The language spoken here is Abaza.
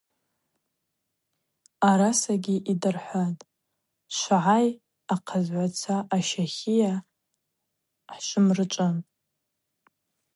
Арасагьи йдырхӏватӏ: – Швгӏай, ахъазгӏваца аща хийа хӏшвмыррычӏван.